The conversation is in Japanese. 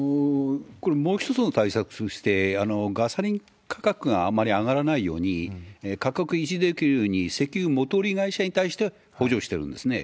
これ、もう一つの対策として、ガソリン価格があまり上がらないように、価格維持できるように、石油元売り会社に対して補助してるんですね。